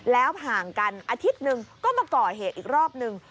แล้วห่างกันอาทิตย์หนึ่งก็มาก่อเหตุอีกรอบนึง